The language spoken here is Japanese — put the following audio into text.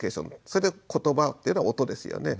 それでことばっていうのは音ですよね。